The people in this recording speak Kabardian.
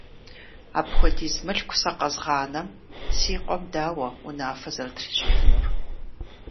Апхуэдиз мылъку сэ къэзгъанэм си къуэм дауэ унафэ зэрытрищӀыхьынур?